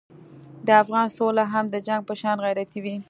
د افغان سوله هم د جنګ په شان غیرتي وي.